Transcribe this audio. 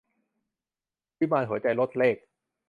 วิมานหัวใจ - รจเรข